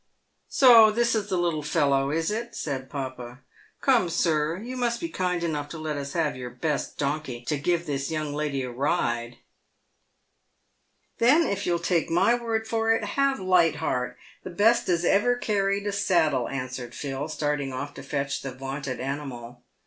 " So this is the little fellow, is it ?" said papa. " Come, sir, you must be kind enough to let us have your best donkey, to give this young lady a ride." " Then, if you'll take my word for it, have Light Heart, the best as ever carried a saddle," answered Phil, starting off to fetch the vaunted animal.